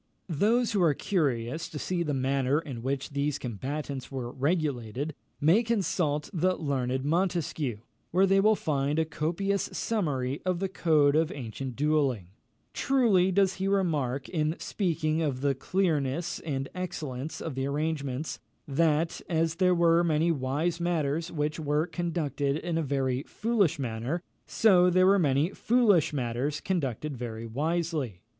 Those who are curious to see the manner in which these combats were regulated, may consult the learned Montesquieu, where they will find a copious summary of the code of ancient duelling. Truly does he remark, in speaking of the clearness and excellence of the arrangements, that, as there were many wise matters which were conducted in a very foolish manner, so there were many foolish matters conducted very wisely.